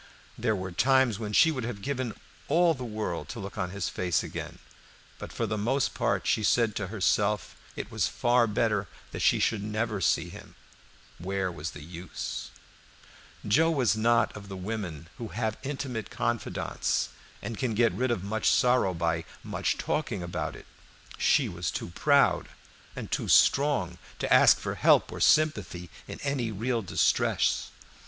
There were times when she would have given all the world to look on his face again, but for the most part she said to herself it was far better that she should never see him. Where was the use? Joe was not of the women who have intimate confidants and can get rid of much sorrow by much talking about it. She was too proud and too strong to ask for help or sympathy in any real distress.